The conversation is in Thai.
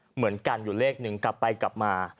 เหมือนกันอยู่เลขหนึ่งกลับไปกลับมา